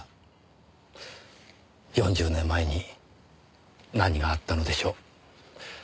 ４０年前に何があったのでしょう？